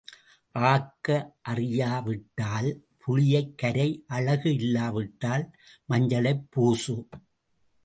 ஆக்க அறியாவிட்டால் புளியைக் கரை அழகு இல்லாவிட்டால் மஞ்சளைப் பூசு.